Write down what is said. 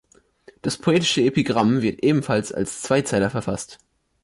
Das poetische Epigramm wird ebenfalls als Zweizeiler verfasst.